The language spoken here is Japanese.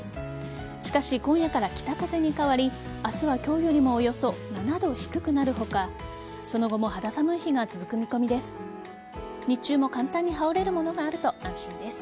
しかし、今夜から北風に変わり明日は今日よりもおよそ７度低くなる他その後も肌寒い日が続く見込みです。